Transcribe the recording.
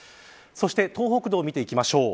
そして東北道を見ていきましょう。